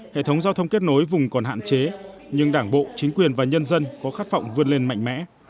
hệ thống giao thông kết nối vùng còn hạn chế nhưng đảng bộ chính quyền và nhân dân có khát phọng vươn lên mạnh mẽ